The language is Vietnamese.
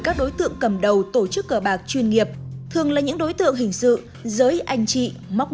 các đối tượng cầm đầu tổ chức cờ bạc chuyên nghiệp thường là những đối tượng hình sự giới anh chị móc